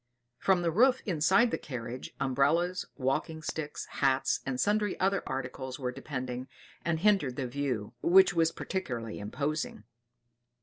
From the roof inside the carriage, umbrellas, walking sticks, hats, and sundry other articles were depending, and hindered the view, which was particularly imposing.